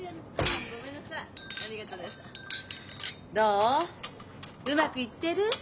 うまくいってる？